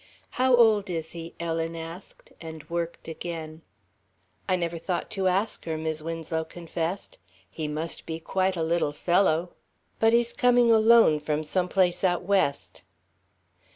"How old is he?" Ellen asked, and worked again. "I never thought to ask her," Mis' Winslow confessed; "he must be quite a little fellow. But he's coming alone from some place out West."